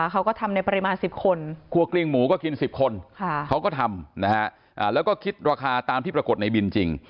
เขาก็ทำในปริมาณ๑๐คนครัวกลิ้งหมูก็กิน๑๐คนเขาก็ทำแล้วก็คิดราคาตามที่ปรากฏในบินจริง